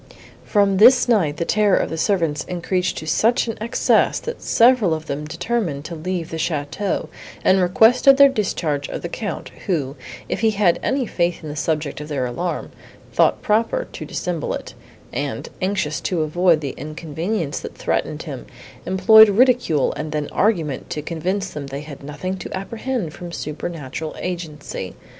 From this night the terror of the servants increased to such an excess, that several of them determined to leave the château, and requested their discharge of the Count, who, if he had any faith in the subject of their alarm, thought proper to dissemble it, and, anxious to avoid the inconvenience that threatened him, employed ridicule and then argument to convince them they had nothing to apprehend from supernatural agency.